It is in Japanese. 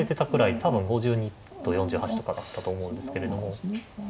多分５２と４８とかだったと思うんですけれども。